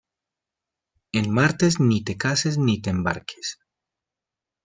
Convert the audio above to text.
En martes ni te cases ni te embarques.